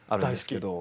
大好き。